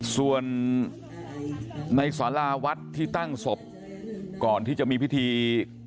ส่วนในสาราวัดที่ตั้งศพก่อนที่จะมีพิธี